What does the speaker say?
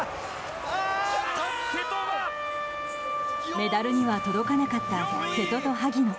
メダルには届かなった瀬戸と萩野。